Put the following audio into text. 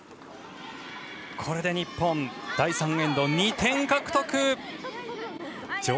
これで日本第３エンド、２点獲得。